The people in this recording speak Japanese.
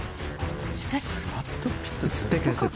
しかし。